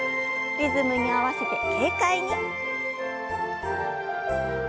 リズムに合わせて軽快に。